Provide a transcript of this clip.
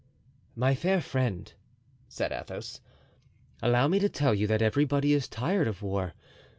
"My fair friend," said Athos, "allow me to tell you that everybody is tired of war.